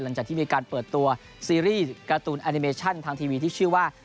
หลังจากที่มีการเปิดตัวซีรีส์การ์ตูนแอนิเมชั่นทางทีวีที่ชื่อว่า